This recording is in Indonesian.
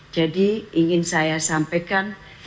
jadi ingin saya sampaikan